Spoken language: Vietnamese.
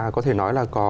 có thể nói là có